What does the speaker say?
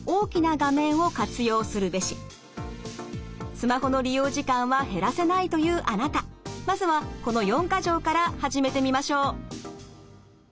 スマホの利用時間は減らせないというあなたまずはこの四か条から始めてみましょう。